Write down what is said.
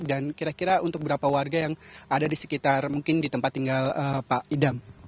dan kira kira untuk berapa warga yang ada di sekitar mungkin di tempat tinggal pak idam